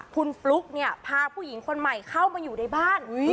คุณฟลุ๊กเนี่ยพาผู้หญิงคนใหม่เข้ามาอยู่ในบ้าน